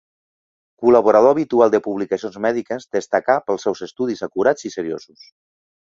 Col·laborador habitual de publicacions mèdiques, destacà pels seus estudis acurats i seriosos.